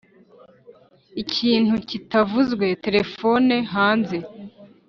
ikintu kitavuzwe, terefone hanze